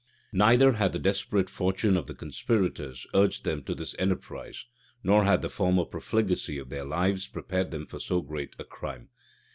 [] Neither had the desperate fortune of the conspirators urged them to this enterprise, nor had the former profligacy of their lives prepared them for so great a crime.